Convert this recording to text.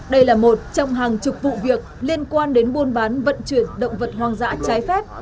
đây là một trong hàng chục vụ việc liên quan đến buôn bán vận chuyển động vật hoang dã trái phép